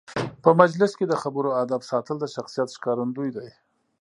په مجلس کې د خبرو آدب ساتل د شخصیت ښکارندوی دی.